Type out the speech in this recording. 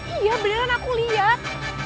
iya beneran aku lihat